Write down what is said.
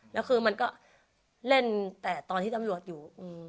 แล้วคือมันก็เล่นแต่ตอนที่ตำรวจอยู่